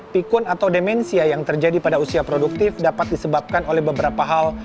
pikun atau demensia yang terjadi pada usia produktif dapat disebabkan oleh beberapa hal